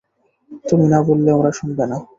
তুমি না বললে ওরা শুনবে না।